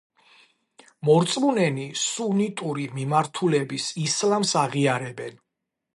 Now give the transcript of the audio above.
მორწმუნენი სუნიტური მიმართულების ისლამს აღიარებენ.